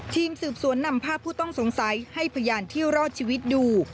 ทีมสืบสวนนำภาพผู้ต้องสงสัยให้พยานที่รอดชีวิตดู